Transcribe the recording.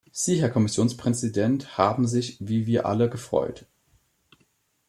Sie, Herr Kommissionspräsident, haben sich wie wir alle gefreut.